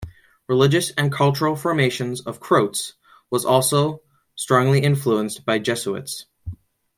Religious and cultural formation of Croats was also strong influenced by Jesuits.